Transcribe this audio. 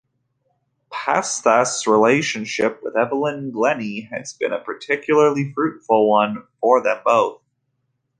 Psathas' relationship with Evelyn Glennie has been a particularly fruitful one for them both.